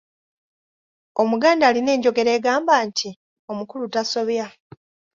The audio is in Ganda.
Omuganda alina enjogera egamba nti, “Omukulu tasobya”.